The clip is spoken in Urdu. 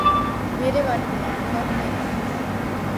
میرے والدین بہت مہربان ہیں